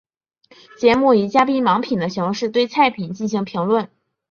节目以嘉宾盲品的形式对菜品进行评论。